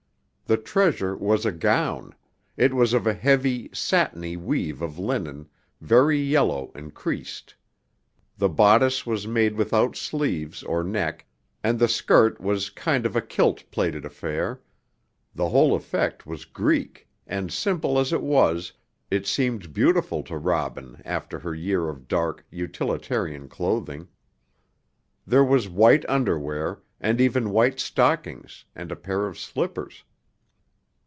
The treasure was a gown; it was of a heavy, satiny weave of linen, very yellow and creased. The bodice was made without sleeves or neck, and the skirt was a kind of kilt plaited affair; the whole effect was Greek, and, simple as it was, it seemed beautiful to Robin after her year of dark, utilitarian clothing. There was white underwear, and even white stockings, and a pair of slippers.